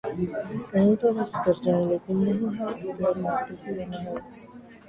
کہیں تو بس کر جائیں لیکن نہیں ‘ ہاتھ پیر مارتے ہی رہنا ہے۔